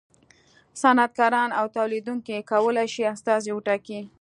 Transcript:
صنعتکارانو او تولیدوونکو و کولای شول استازي وټاکي.